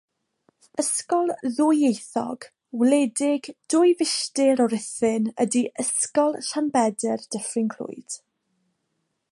Ysgol ddwyieithog, wledig dwy filltir o Ruthun ydy Ysgol Llanbedr Dyffryn Clwyd.